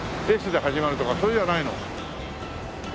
「Ｓ」で始まるとかそういうんじゃないの？